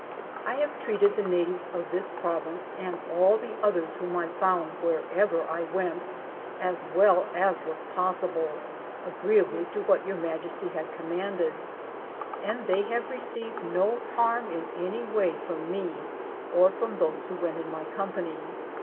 I have treated the natives of this province, and all the others whom I found wherever I went, as well as was pos sible, agreeably to what Tour Majesty had commanded, and they have received no harm in any way from me or from those who went in my company.